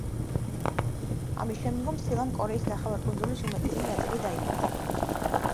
ამის შემდგომ სილამ კორეის ნახევარკუნძულის უმეტესი ნაწილი დაიმორჩილა.